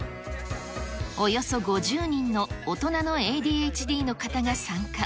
およそ５０人の大人のＡＤＨＤの方が参加。